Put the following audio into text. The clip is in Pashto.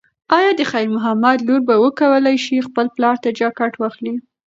ایا د خیر محمد لور به وکولی شي خپل پلار ته جاکټ واخلي؟